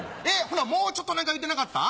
ほなもうちょっと何か言うてなかった？